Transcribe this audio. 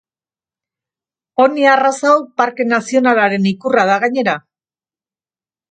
Poni arraza hau parke nazionalaren ikurra da gainera.